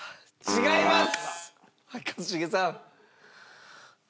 違います！